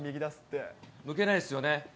抜けないですよね。